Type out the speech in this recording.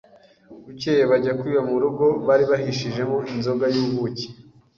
Bukeye bajya kwiba mu rugo bari bahishijemo inzoga y' ubuki.